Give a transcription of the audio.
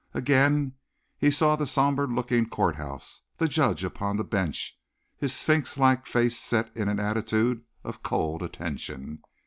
Again he saw the sombre looking courthouse, the judge upon the bench, his sphinx like face set in an attitude of cold attention.